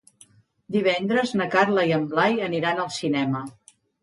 Divendres na Carla i en Blai aniran al cinema.